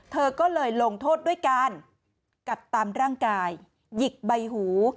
เธอก็เลยลงโทษด้วยการกัดตามร่างกายหยิกใบหู